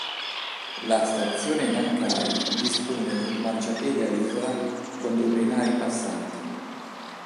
La stazione Nankai dispone di un marciapiede a isola con due binari passanti.